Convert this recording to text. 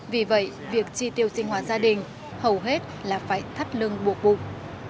vì vậy việc tri tiêu sinh hoạt gia đình hầu hết là phải thắt lưng buộc bụng